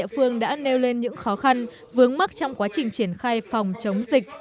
phương đã nêu lên những khó khăn vướng mắc trong quá trình triển khai phòng chống dịch